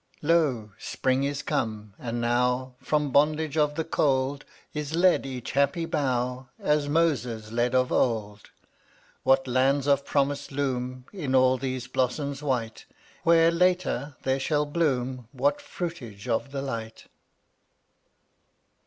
Lo! spring is come, and now From bondage of the cold Is led each happy bough — As Moses led of old. What lands of promise loom In all these blossoms white, Where, later, there shall bloom What fruitage of the light!